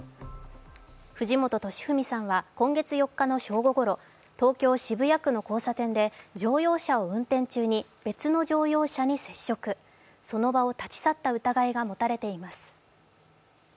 藤本敏史さんは今月４日の正午ごろ、東京・渋谷区の交差点で乗用車を運転中に別の乗用車に接触、その場を立ち去った疑いが持たれています。